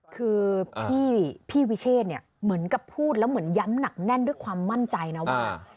คือพี่วิเชษเนี่ยเหมือนกับพูดแล้วเหมือนย้ำหนักแน่นด้วยความมั่นใจนะว่า